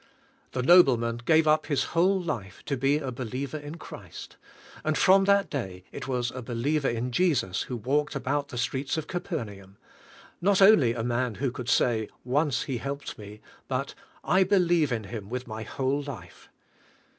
The noble man gave up his whole life to be a believer in Christ ; and from that day it was a believer in Jesus who walked about the streets of Capernaum; not only a man who could say," Once He helped me," but, "I believe in Him with my whole life."